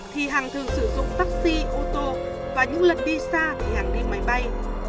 taxi ô tô và những lần đi xa thì hằng đi máy bay